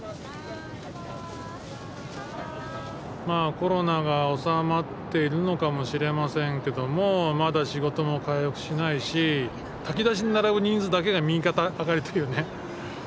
まあコロナが収まってるのかもしれませんけどもまだ仕事も回復しないし炊き出しに並ぶ人数だけが右肩上がりというね。